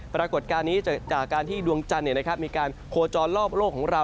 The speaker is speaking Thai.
ปรากฏการณ์นี้จากการที่ดวงจันทร์มีการโคจรรอบโลกของเรา